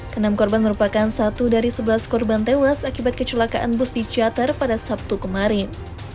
kenam korban merupakan satu dari sebelas korban tewas akibat kecelakaan bus di cater pada sabtu kemarin